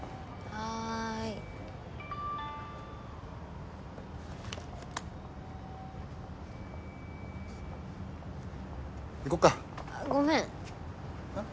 はい行こっかあっごめんえっ？